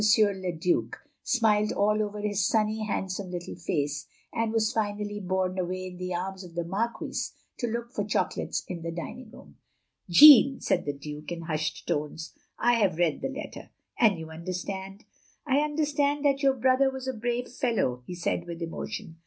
le Due; smiled all over his sunny, handsome, little face; and was finally borne away in the arms of the Marquise to look for chocolates in the dining room. "Jeanne," said the Duke, in hushed tones, " I have read the letter. "" And you understand? "I understand that your brother was a brave fellow," he said with emotion.